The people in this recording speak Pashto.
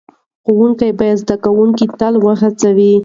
ښوونکي باید زده کوونکي تل وهڅوي.